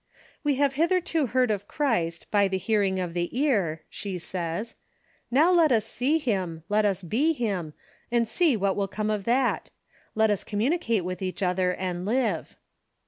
"We have hitherto heard of Christ by the hearing of the ear," she says; "now let us see him, let us be him, and see what will come of that. Let us communicate with each other and live."